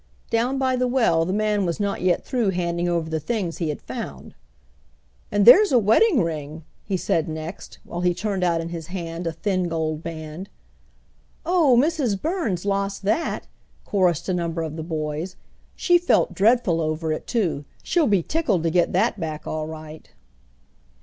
Down by the well the man was not yet through handing over the things he had found. "And there's a wedding ring!" he said next, while he turned out in his hand a thin gold band. "Oh, Mrs. Burns lost that!" chorused a number of the boys. "She felt dreadful over it too. She'll be tickled to get that back all right."